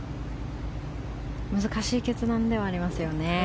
難しい決断ではありますよね。